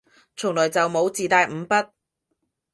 從來就冇自帶五筆